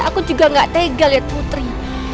aku juga gak tega lihat putri